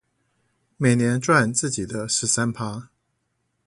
每年賺自己的十三趴